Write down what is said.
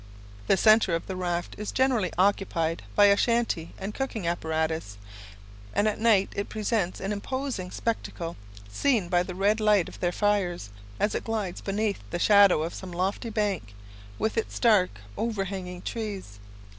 The centre of the raft is generally occupied by a shanty and cooking apparatus, and at night it presents an imposing spectacle, seen by the red light of their fires, as it glides beneath the shadow of some lofty bank, with its dark overhanging trees.